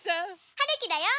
はるきだよ。